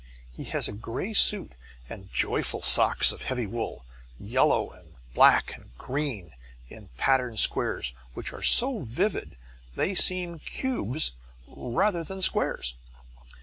He has a gray suit and joyful socks of heavy wool, yellow and black and green in patterned squares which are so vivid they seem cubes rather than squares.